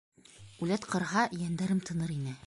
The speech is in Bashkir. Үләт ҡырһа, йәндәрем тыныр ине!